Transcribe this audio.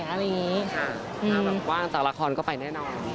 อ่ากางจากละครก็ไปแน่นอน